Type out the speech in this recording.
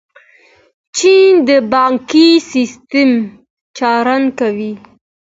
چین د بانکي سیسټم څارنه کوي.